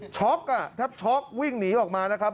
ช็อคอ่ะแท็บช็อควิ่งหนีออกมานะครับ